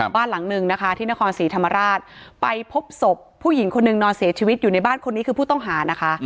บ้านหลังนึงนะคะที่นครศรีธรรมราชไปพบศพผู้หญิงคนหนึ่งนอนเสียชีวิตอยู่ในบ้านคนนี้คือผู้ต้องหานะคะ